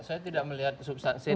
saya tidak melihat substansi